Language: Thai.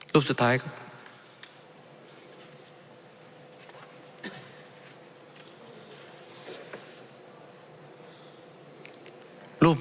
รูปสุดท้ายครับ